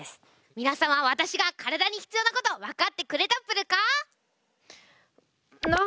皆さんは私が体に必要なことを分かってくれたプルか？